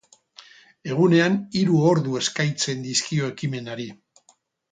Egunean hiru ordu eskaintzen dizkio ekimenari.